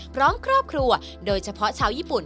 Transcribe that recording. ครอบครัวโดยเฉพาะชาวญี่ปุ่น